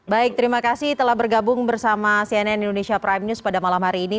baik terima kasih telah bergabung bersama cnn indonesia prime news pada malam hari ini